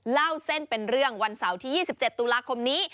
เล่าเส้นเป็นเรื่องวันเสาร์ที่๒๗ตุลาคมนี้